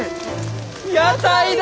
屋台だ！